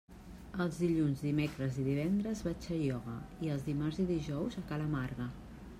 Els dilluns, dimecres i divendres vaig a ioga i els dimarts i dijous a ca la Marga.